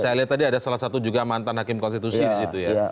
saya lihat tadi ada salah satu juga mantan hakim konstitusi di situ ya